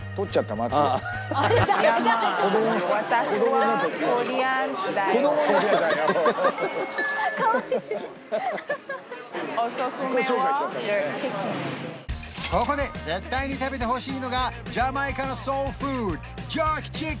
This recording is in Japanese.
まつげここで絶対に食べてほしいのがジャマイカのソウルフード